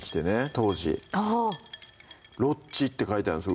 当時「ロッチ」って書いてあるんです